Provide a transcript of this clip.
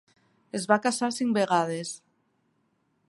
Es va casar cinc vegades.